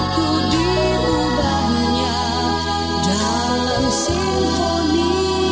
ku diubahnya dalam sintoni